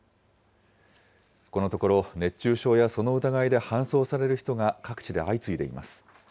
このところ熱中症やその疑いで搬送される人が各地で相次いでいます。